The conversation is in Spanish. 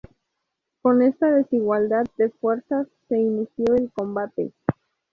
Con esta desigualdad de fuerzas se inició el combate.